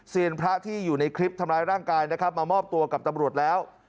พระที่อยู่ในคลิปทำร้ายร่างกายนะครับมามอบตัวกับตำรวจแล้ว